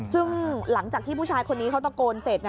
ซึ่งหลังจากที่ผู้ชายคนนี้เขาตะโกนเสร็จ